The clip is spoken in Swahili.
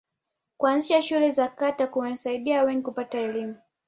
kuanzisha shule za kata kumesaidia wengi kupata elimu